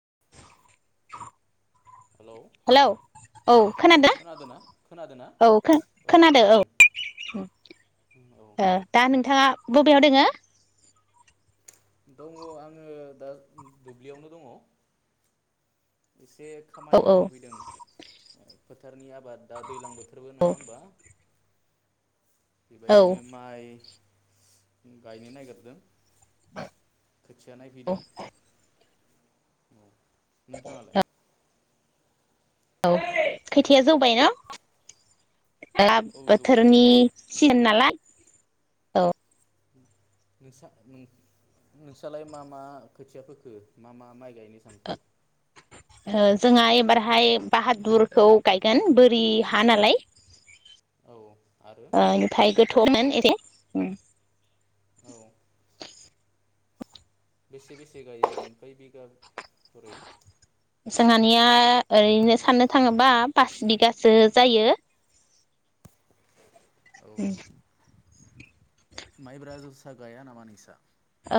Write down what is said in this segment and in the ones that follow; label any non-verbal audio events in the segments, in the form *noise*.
*inaudible* Hello औ खोनादो खोनादोना खोनादोना औ खोनादो औ औ दा नोंथाङा बबेयाव दोङो? दङ आङो दा दुब्लियावनो दङ। *inaudible* एसे औ खामानि औ मावनो फैदों। *inaudible* फोथारनि आब *inaudible* बाद दा दैलां बोथोरबो औ नङा होनोमबा? *inaudible* औ बेबायदिनो माइ *inaudible* गायनो नागिरदों *inaudible* खोथिया औ नायफैदों। औ नोंथाङालाय? औ खोथिया जौबाय ना? लाब औ जौबाय बोथोरनि *unintelligible* नालाय औ। नोंसा नों-नोंस्रालाय मा मा खोथिया फोखो? मा मा माइ गायनो सानखो? जोंहा एबारहाय बाहादुरखौ गायगोन बोरि हा नालाय। औ आरो ओ इनिफाय गोथौमोन एसे, ओम। *inaudible* औ बेसे बेसे गायोगोन खै बिगा खरै? जोंहानिया ओरैनो साननो थाङोबा पास बिगासो जायो। औ। माइब्रा जोसा गाया नामा नोंस्रा?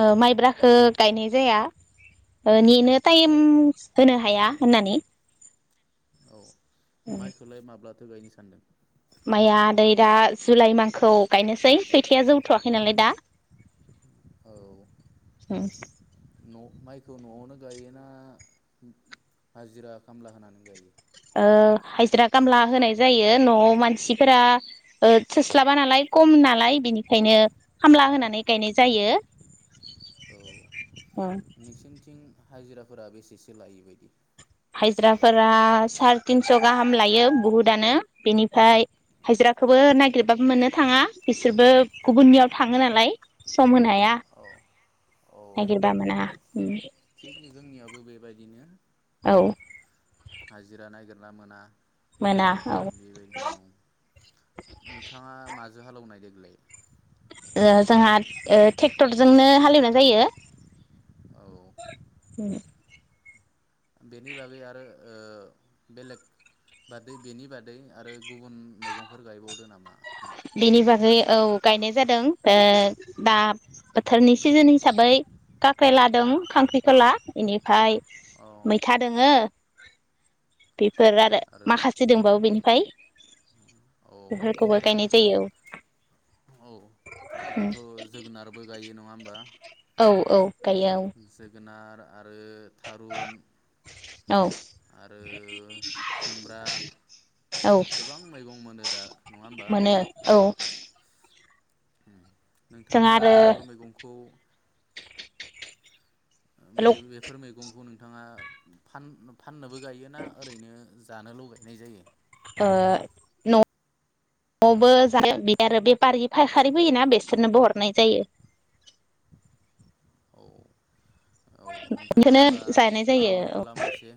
ओ माइब्राखो गायनाय जाया, ओ नि नो टाइम औ होनो हाया होन्नानै। औ। माइखोलाय माब्ला थो गायनो सानदों? माइया आदै दा जुलाइ मान्टखौ गायनोसै खोथिया जौथ'वाखै नालाय दा। औ ओम। न' माइखौ न'आवनो गायो ना हाजिरा खामला होनानै गायो? ओ हाजिरा कामला होनाय जायो न'आव मानसिफोरा ओ थोस्लाबा नालाय कम नालाय बिनिखायनो खामला होनानै गायनाय जायो। औ नोंसोरनिथिं हाजिराफोरा बेसेसो लायो बायदि? हाजिराफोरा सारि तिनस' गाहाम लायो बुहुदानो बेनिफ्राय हाजिराखोबो नागिरबाबो मोननो थाङा बिसोरबो गुबुननियाव थाङो नालाय सम होनो हाया, औ औ नागिरबा मोना। उम। दिनो। औ। हाजिरा नागिरना मोना। मोना औ बेबायदिनो औ नोंथाङा मा जों हालौनाय देग्लाय? ओ जोंहा ओ टेक्टरजोंनो हालेवनाय जायो। औ उम। बेनि बागै आरो ओ बेलेग बादै बेनि बादै आरो गुबुन मैगंफोर गायबावदो नामा? बेनि बागै औ गायनाय जादों दा बोथोरनि सिजोन हिसाबै काख्रेला दों खांख्रिखला इनिफाय औ मैथा दोङो फोर आरो माखासे दंबाबो बेनि औ *unintelligible* बेफोरखौबो दा गाइनाय औ दाथ' जोगोनारबो गायो नङा नङा होमबा। औ औ। गायो जोगोनार आरो थारुन औ आरो खुमब्रा औ गोबां मैगं मोनो दा नङा होमबा। मोनो औ जोंहा नोंथाङा आरो बेफोर मैगंखौ ल बेफोर मैगंखौ नों बिथांआ फान फा फाननोबो गायोना ओरैनो जानोल' गायनाय जायो। न न'बो जायो बेफारि फायखारि फोयोना बेसोरनोबो हरनाय जायो। औ औ नोंथाङा बेखौनो होमबा जानाय जायो फालांगिबो औ खालामो एसे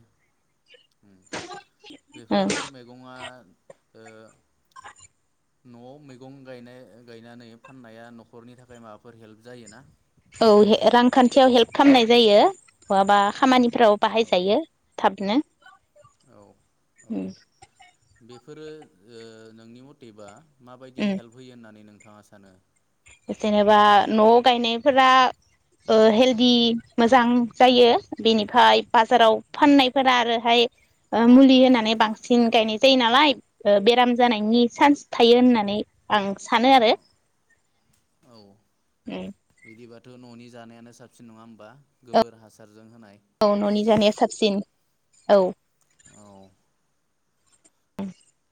ओं बेफोर मैगंआ ओ न'आव मैगं गायनानै फाननाया न'खरनि थाखाय माबाफोर हेल्प जायोना। औ रांखान्थियाव हेल्प खालामनाय जायो बहाबा खामानि औ बाहाय जायो थाब *unintelligible* औ औ उम बेफोरो ओ नोंनि मथेबा माबायदि हेल्प होयो होननानै नोंथाङा नोंथाङा सानो? जेनेबा न'आव गायनायफोरा ओ हेल्दि मोजां जायो बेनिफाय बाजाराव औ फाननायफोरा आरोहाय मुलि होनानै बांसिन गायनाय जायो नालाय बेराम जानायनि चान्स थायो होननानै आं सानो आरो। औ बिदिबा थ' न'नि जानायानो साबसिन नङा होमबा गोबोर हासारजों होनाय औ न'नि जानाया साबसिन औ। औ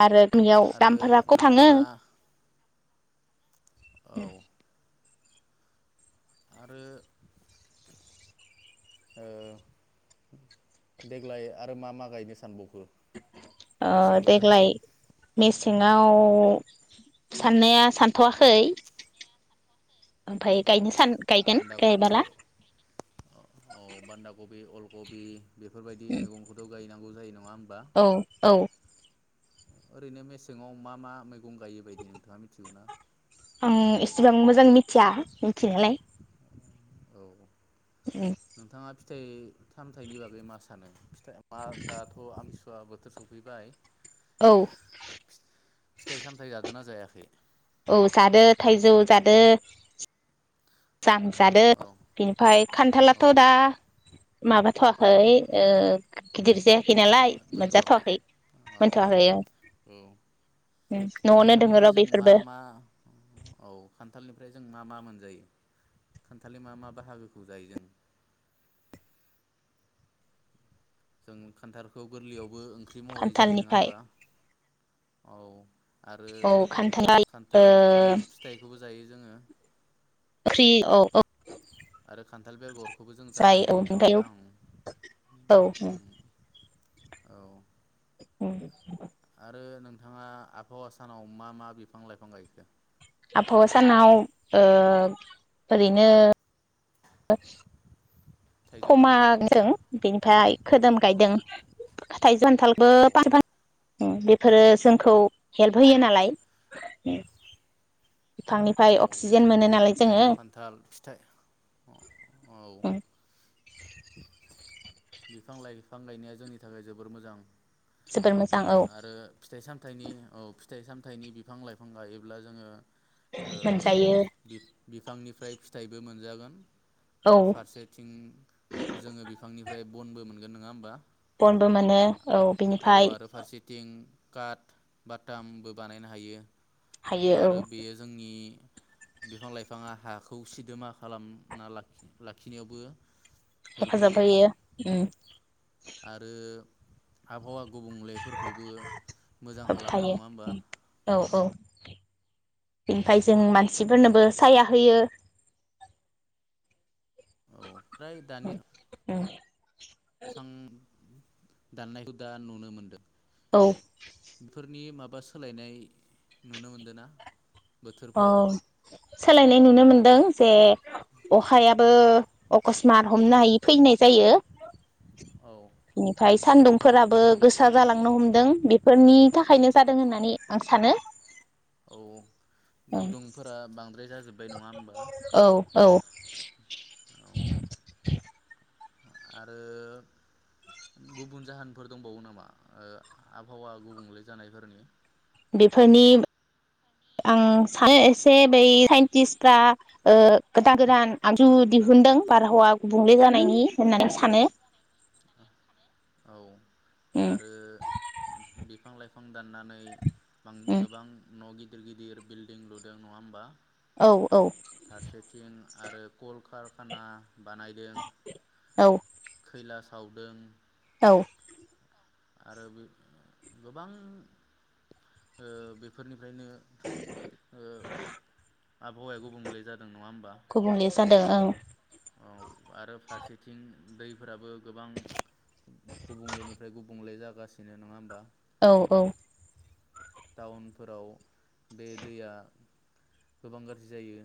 आरो बेयाव आरो दामफोराखौ थाङो नोंथाङा औ। आरो ओ देग्लाय आरो मा मा गायनो सानबाव ओ देग्लाय मेसें आव साननाया सानथआखै ओमफाय औ गायनो सान गायगोन बान्दा कबि गायबाला गबि बेफोरबायदि मैगंखौथ गायनांगौ जायो न औ औ ओरैनो मेसेङाव मा मा मैगं गायो बायदि नोंथाङा मिथिगो ना? आं इसेबां मोजां मिथिया मिथिनायालाय औ नोंथाङा फिथाइ-सामथाइनि बागै मा सानो फिथा मा दाथ आम सुवा बोथोर सौफैबाय औ फिथाइ-सामथाय जादोन ना जाया खै औ जादो थाइजौ जादो जाम जादो औ ओमफाय औ खान्थालाथ दा माबाथवाखै ओ गिदिर जाया मो मोनथवाखै औ मोनथ'वाखै औ न'आवनो दोङो खान्थालनिफ्राय र' जों मा बेफोरबो मा औ खान्थालनि फ्राय जों मा मा मोनजायो खान्थालि मा मा बाहागोखौ जायो जों? जों खान्थालखौ गोरलैयाव बो ओंख्रि महरै जायो नोङा खान्थालनिफ्राय होमबा? औ आरो औ खान्थाल ओ खान्थाल खान ओंख्रि फिथाइखौबो जायो जोङो ओंख्रि औ औ आरो खान्थाल बेगर जायो औ *unintelligible* औ औ ओम आरो नोंथाङा आबहावा सानाव मा मा बिफां-लाइफां गायखो? आबहावा सानाव ओ ओरैनो *inaudible* थाइजौ खान्थाल फमादों बिनिफाय खोदोम औ गायदों थाइजौ, खान्थालबो औ फांसे फांनै ओम बेफोरो जोंखौ हेल्प होयो औ नालाय *unintelligible* बिफांनिफ्राय औ अक्सिजेन मोनो नालाय जोंङो थाइजौ खान्थाल फिथाइ औ ओम बिफां लाइफां गायनाया जोंनि थाखाय जोबोर मोजां। जोबोर मोजां औ आरो फिथाइ साम फिथाइनि औ फिथाइ सामथाइनि बिफां लाइफां गायोब्ला जोंङो ओ मोनजायो बि-बिफांनि ओमफ्राय फिथाइबो मोनजागोन। औ आरो फारसेथिं जोंङो बिफांनि निफ्राय बनबो मोनगोन नंङा होनोमबा? बनबो मोनो औ बिनिफाय आरो फारसेथिं काट बाथामबो बानायनो हायो। हायो औ। आरो बेयो जोंनि बिफां लाइफांआ हाखौ सिदोमा खालामना लाखिनायावबो हेफाजाब होयो उम आरो आबहावा गुबुंलेफोरखौबो मोजां खालामो नंङा होमबा? होबथायो औ औ ओमफाय जों मानसिफोरनोबो साया होयो। उम उम बिफां दाननायखौ दा नुनो मोनदों। औ बेफोरनि माब बा सोलायनाय नुनो मोनदों ना? औ सोलायनाय नुनो मोनदों जे अखायाबो अकसमाथ हमनो हायि फैनाय जायो। औ बेनिफ्राय सानदुंफोराबो गोसा जलां थांनो हमदों बेफोरनि थाखायनो जादों होननानै आं सानो। औ। गुदुंफोरा बांद्राय जाजोब ओमफ्राय नंङा होमबा? औ औ। औ *inaudible* आरो गुबुन जाहोनफोर दंबावो नामा ओ आबहावा गुबुंले जानायफोरनि बेफोरनि आं सानो एसे बै साइन्टिसफ्रा ओ गोदान गोदान आजु दिहुनदों बारहावा गुबुंले जानायनि होननानै सानो। औ उम आरो बिफां लाइफां दाननानै उम गोबां न' गि गिदिर गिदिर बिल्डिं लुदों नङा होमबा? औ औ फारसेथिं आरो कल कारखाना बानायदों औ खैला सावदों औ आरो बेफ गोबां ओ बेफोरनि फ्रायनो ओ आबहावाया गुबुंले जा दों नङा होमबा? गुबुंले जादों ओं। औ आरो फारसेथिं दैफोराबो गोबां गुबुंलेनिफ्राय गुबुंले जागासिनो नङा होमबा? औ औ। टाउनफोराव बे दैया गोबां गाज्रि जायो।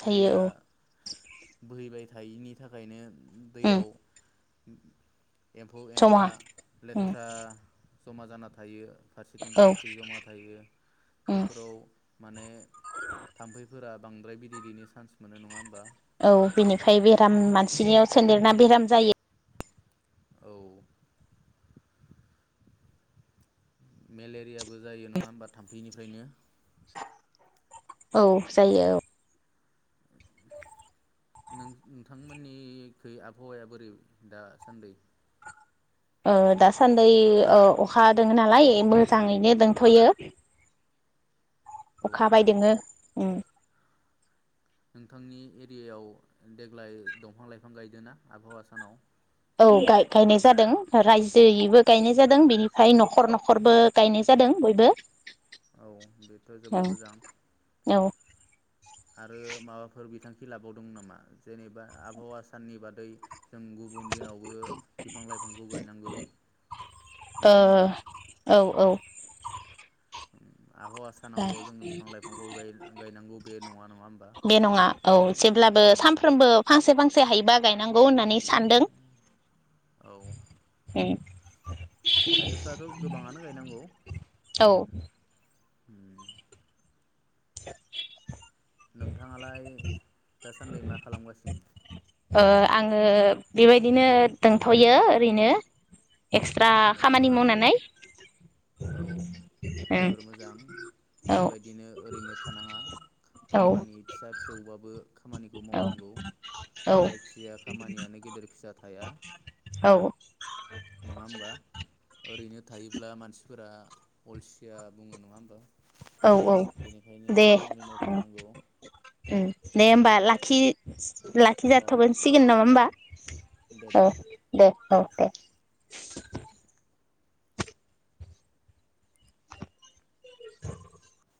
जायो दैया औ बोहैबाय था थायिनि थाखायनो उम दैयाव उम एम्फौ जमा एनला उम लेथ्रा जमा जाना थायो फारसेथिं औ प्लास जमा थायो उम बेफोराव माने थामफैफोर आ बांद्राय बिदै दैनो चान्स मोनो नङा होमबा औ बिनिफ्राय बेराम मान सिनियाव सोनन्देरना बेराम जायो। औ मेलेरियाबो जायो नङा होमबा थाम्फैनिफ्रायनो? औ जायो औ। नों नोंथांमोननिगै आबहावाया बोरै दासान्दै? ओ दासान्दै ओ अखा हादों नालाय मोजाङैनो दंथ'यो। औ अखा हाबायदोङो। उम नोंथांनि एरियायाव देग्लाय दंफां लाइफां गायदों ना आबहावा सानाव? औ गाय-गायनाय जादों रायजोयैबो गायनाय जादों औ बेनिफ्राय न'खर न' ख'रबो गायनाय जादों बयबो। औ बेथ' औ जोबोर मोजां ओ आरो माबाफोर बिथांखि लाबावदों नामा जेनेबा आबहावा साननि बादै जों गुबुन दिनावबो बिफां लाइफांखौ गायनांगौ नङा होमबा औ औ आबहावा सानावल' जोङो बिफां लाइफांखौ गाय-गायनांगौ बे नङा नङा होमबा बे नङा औ से हायोबा गायनांगौ गौ होननानै सानदों *inaudible* हायोब्लाथ' गोबाङानो गायनांगौ उम उम *inaudible* नोंथाङालाय दासान्दि मा खालामगासिनो ओ आङो बेबायदिनो दोंथ'यो ओरैनो एक्सट्रा औ खामानि मावनानै औ ओं जोबोर मोजां औ बेबायदिनो ओरैनो थानाङा औ खामानि फिसा फिसौबाबो खामानिखौ मावनांगौ औ जायखिजाया खामानियानो गेदेर फिसा थाया औ नङा होमबा ओरैनो थायोब्ला मानसिफोरा अलसिया बुङो नङा होमबा औ औ बेनिखायनो दे खामानि मावथारनांगौ दे होमबा लाखि औ लाखिजाथ'गोनसिगोन नङा होमबा दे औ दे दे औ दे *inaudible*